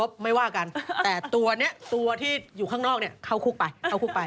ไม่ว่ากันแต่ตัวนี้ตัวที่อยู่ข้างนอกเนี่ยเข้าคุกไปเข้าคุกไป